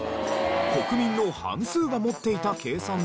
国民の半数が持っていた計算だが。